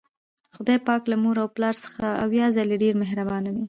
خدای پاک له مور او پلار څخه اویا ځلې ډیر مهربان ده